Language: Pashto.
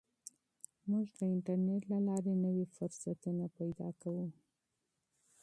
موږ د انټرنیټ له لارې نوي فرصتونه پیدا کوو.